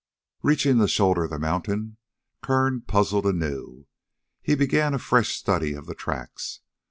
Reaching the shoulder of the mountain, Kern puzzled anew. He began a fresh study of the tracks.